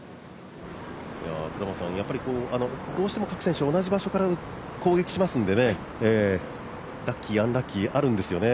どうしても各選手同じ場所から攻撃しますんでねラッキー、アンラッキー、あるんですよね。